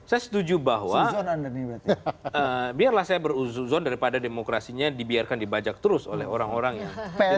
saya setuju bahwa biarlah saya beruzon daripada demokrasinya dibiarkan dibajak terus oleh orang orang yang tidak bertanggung jawab